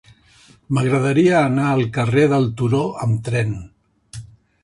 M'agradaria anar al carrer del Turó amb tren.